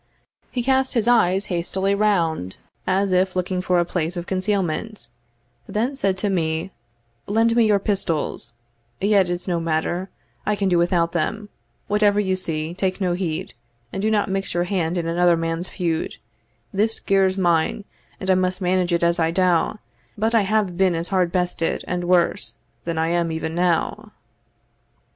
He cast his eyes hastily round, as if looking for a place of concealment; then said to me, "Lend me your pistols yet it's no matter, I can do without them Whatever you see, take no heed, and do not mix your hand in another man's feud This gear's mine, and I must manage it as I dow; but I have been as hard bested, and worse, than I am even now."